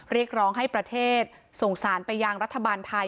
เรียกร้องให้ประเทศส่งสารไปยังรัฐบาลไทย